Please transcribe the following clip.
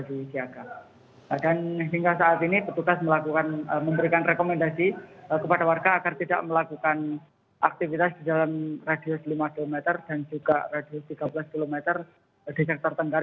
dan hingga saat ini petugas memberikan rekomendasi kepada warga agar tidak melakukan aktivitas di jalan radius lima km dan juga radius tiga belas km di sektor tengkar